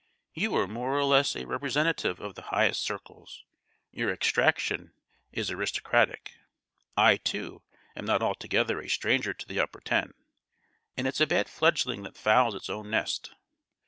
You are more or less a representative of the highest circles; your extraction is aristocratic. I, too, am not altogether a stranger to the upper ten, and it's a bad fledgling that fouls its own nest!